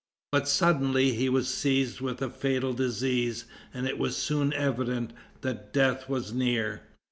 But suddenly he was seized with a fatal disease, and it was soon evident that death was near.